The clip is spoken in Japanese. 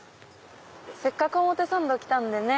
せっかく表参道来たのでね